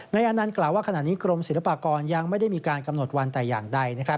อานันต์กล่าวว่าขณะนี้กรมศิลปากรยังไม่ได้มีการกำหนดวันแต่อย่างใด